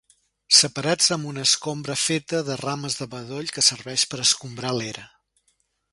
Separats amb una escombra feta de rames de bedoll que serveix per escombrar l'era.